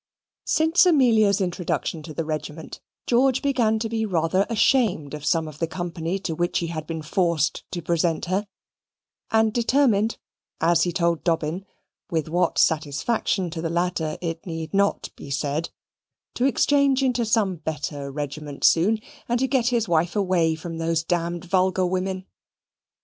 Since Amelia's introduction to the regiment, George began to be rather ashamed of some of the company to which he had been forced to present her; and determined, as he told Dobbin (with what satisfaction to the latter it need not be said), to exchange into some better regiment soon, and to get his wife away from those damned vulgar women.